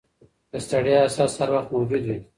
د ستړیا احساس هر وخت موجود وي.